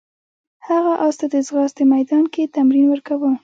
هغه اس ته د ځغاستې میدان کې تمرین ورکاوه.